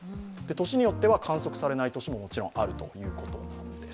年によっては観測されない年ももちろんあるということです。